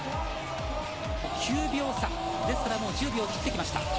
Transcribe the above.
９秒差ですからもう１０秒切ってきました。